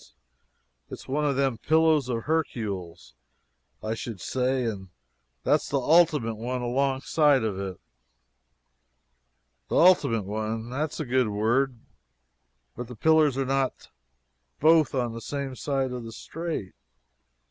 It's one of them Pillows of Herkewls, I should say and there's the ultimate one alongside of it." "The ultimate one that is a good word but the pillars are not both on the same side of the strait."